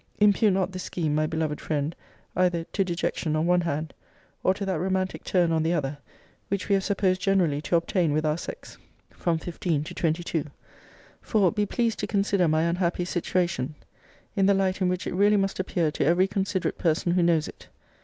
Impute not this scheme, my beloved friend, either to dejection on one hand, or to that romantic turn on the other, which we have supposed generally to obtain with our sex, from fifteen to twenty two: for, be pleased to consider my unhappy situation, in the light in which it really must appear to every considerate person who knows it.